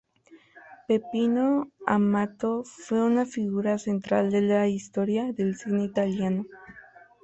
Peppino Amato fue una figura central de la historia del cine italiano.